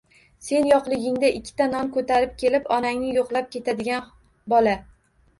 Sen yoʻqligingda ikkita non koʻtarib kelib onangni yoʻqlab ketadigan bola.